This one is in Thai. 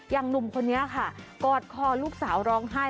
หนุ่มคนนี้ค่ะกอดคอลูกสาวร้องไห้